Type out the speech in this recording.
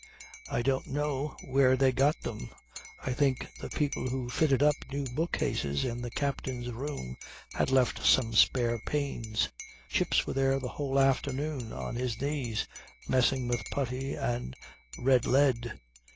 I don't know where they got them; I think the people who fitted up new bookcases in the captain's room had left some spare panes. Chips was there the whole afternoon on his knees, messing with putty and red lead.